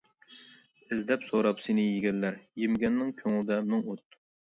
ئىزدەپ سورار سېنى يېگەنلەر، يېمىگەننىڭ كۆڭلىدە مىڭ ئوت.